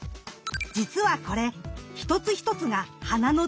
じつはこれ一つ一つが花のつぼみ。